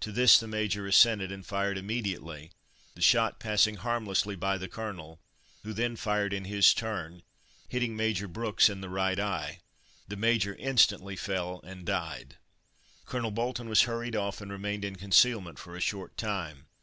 To this the Major assented, and fired immediately, the shot passing harmlessly by the Colonel, who then fired in his turn, hitting Major Brooks in the right eye. The Major instantly fell and died. Colonel Bolton was hurried off and remained in concealment for a short time.